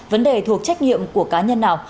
vấn đề thuộc trách nhiệm của cá nhân nào